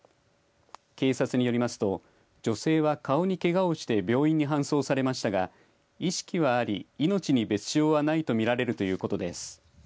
警察によりますと女性は顔にけがをして病院に搬送されましたが意識はあり命に別状はないと見られるということです。